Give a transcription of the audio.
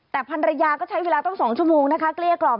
แต่ภรรยาก็ใช้เวลาตั้ง๒ชั่วโมงนะคะเกลี้ยกล่อม